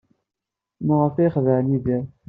Maɣef ay xedɛen Yidir?